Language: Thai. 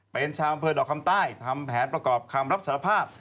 เป็นชาวอำเภอดอกคำใต้ทำแผนประกอบคำรับสารภาพ